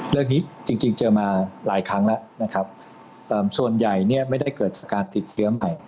เรื่องนี้จริงเจอมาหลายครั้งแล้วนะครับส่วนใหญ่เนี่ยไม่ได้เกิดจากการติดเชื้อใหม่